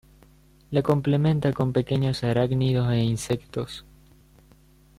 La complementa con pequeños arácnidos e insectos.